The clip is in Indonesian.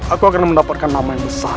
aku akan mendapatkan nama yang besar